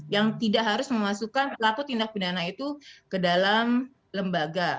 yang tidak harus memasukkan pelaku tindak pidana itu ke dalam lembaga